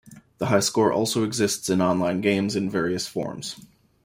The high score also exists in online games in various forms.